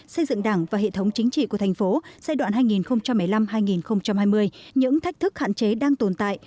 xây dựng đảng và hệ thống chính trị của thành phố giai đoạn hai nghìn một mươi năm hai nghìn hai mươi những thách thức hạn chế đang tồn tại